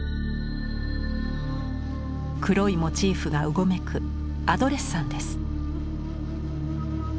黒いモチーフがうごめく「アドレッサン」です。